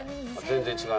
全然。